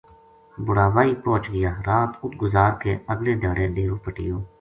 بڑاوائی پوہچ گیا رات اُت گزار کے اگلے دھیاڑے ڈیرو پَٹیو